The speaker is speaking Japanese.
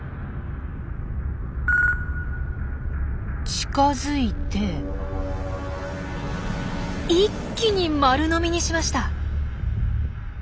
近づいて一気に丸飲みにしました！